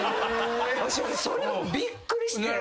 私それがびっくりして。